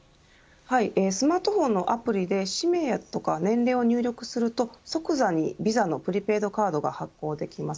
スマートフォンのアプリで氏名や年齢を入力すると即座にＶＩＳＡのプリペイドカードが発行できます。